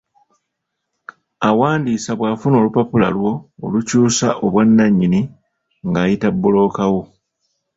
Awandiisa bw'afuna olupapula lwo olukyusa obwanannyini ng'ayita bbulooka wo.